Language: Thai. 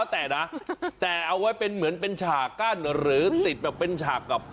แต่นะแต่เอาไว้เป็นเหมือนเป็นฉากกั้นหรือติดแบบเป็นฉากกับ